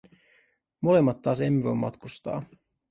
Molemmat taas emme voi matkustaa.